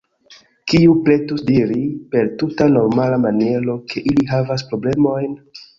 Kiu pretus diri, per tuta normala maniero, ke ili havas problemojn?